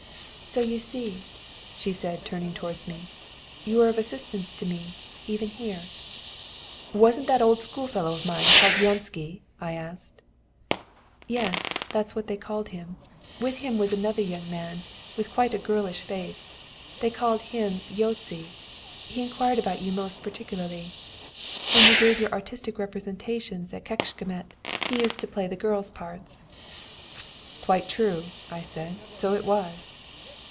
"So you see," she said, turning towards me, "you were of assistance to me, even here." "Wasn't that old schoolfellow of mine called Jansci?" I asked. "Yes, that's what they called him. With him was another young man, with quite a girlish face, and him they called Józsi; he inquired about you most particularly. When you gave your artistic representations at Kecskemet, he used to play the girl's parts." "Quite true," I said, "so it was."